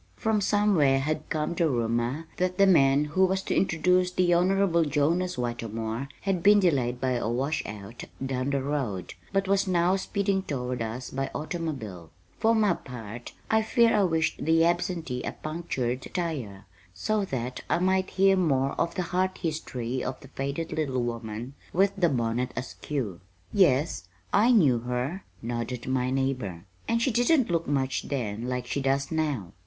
From somewhere had come the rumor that the man who was to introduce the Honorable Jonas Whitermore had been delayed by a washout "down the road," but was now speeding toward us by automobile. For my part, I fear I wished the absentee a punctured tire so that I might hear more of the heart history of the faded little woman with the bonnet askew. "Yes, I knew her," nodded my neighbor, "and she didn't look much then like she does now.